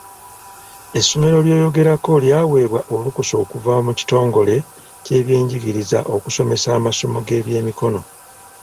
Essomero lyoyogerako lyawebwa olukusa okuva mu kitongoole ekyebyenjigiriza okusomesa amasomo g'ebyemikono